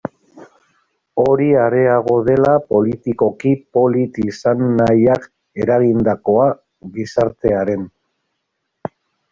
Hori areago dela politikoki polit izan nahiak eragindakoa, gizartearen.